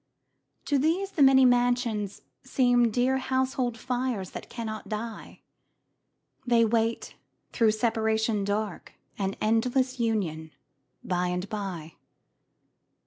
To these the many mansions seem Dear household fires that cannot die; They wait through separation dark An endless union by and by.